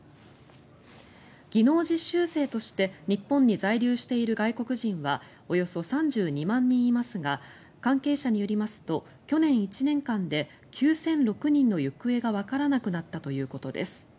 技能実習生として日本に在留している外国人はおよそ３２万人いますが関係者によりますと去年１年間で９００６人の行方がわからなくなったということです。